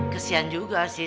kesian juga sih